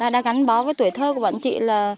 đã gắn bó với tuổi thơ của bọn chị